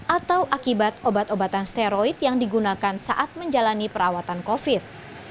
atau akibat obat obatan steroid yang digunakan saat menjalani perawatan covid